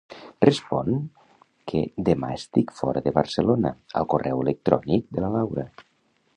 Respon que "demà estic fora de Barcelona" al correu electrònic de la Laura.